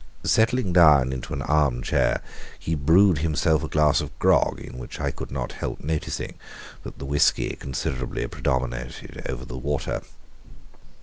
Settling down into an arm chair, he brewed himself a glass of grog, in which I could not help noticing that the whisky considerably predominated over the water.